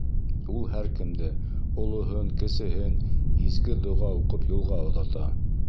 Ул һәр кемде: олоһон-кесеһен изге доға уҡып юлға оҙата.